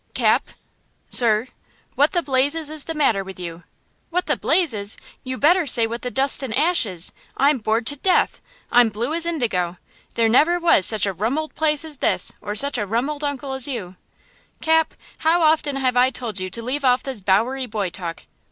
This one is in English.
"CAP?" "Sir?" "What the blazes is the matter with you?" "What the blazes! You better say what the dust and ashes! I'm bored to death! I'm blue as indigo! There never was such a rum old place as this or such a rum old uncle as you!" "Cap, how often have I told you to leave off this Bowery boy talk?